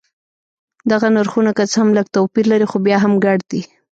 دغه نرخونه که څه هم لږ توپیر لري خو بیا هم ګډ دي.